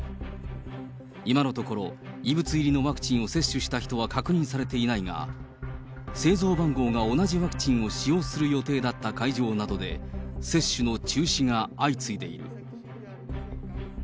今のところ、異物入りのワクチンを接種した人は確認されていないが、製造番号が同じワクチンを使用する予定だった会場などで、接種の中止が相次いでいる。